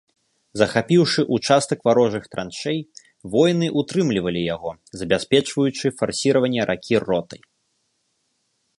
Захапіўшы ўчастак варожых траншэй, воіны ўтрымлівалі яго, забяспечваючы фарсіраванне ракі ротай.